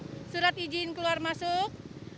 ada surat izin keluar masuk